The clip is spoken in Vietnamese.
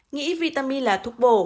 nghĩ vitamin là thuốc bổ